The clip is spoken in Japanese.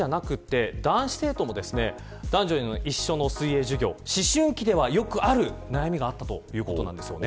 一方で女子生徒だけじゃなくて男子生徒も男女一緒の水泳授業思春期ではよくある悩みがあったということです。